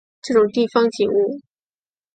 这种地方景物